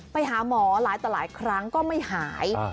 ไปหาหมอหลายต่อหลายครั้งก็ไม่หาย